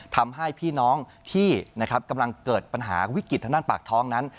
ทำให้พี่น้องที่กำลังเกิดปัญหาวิกฤตทางด้านปากท้องนั้น